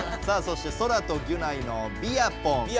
さあそしてソラとギュナイの「ビアポン」。